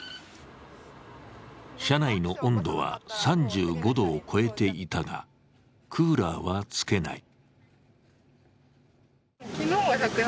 車内の温度は３５度を超えていたがクーラーはつけない。